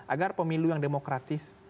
agar pemilu yang demokratis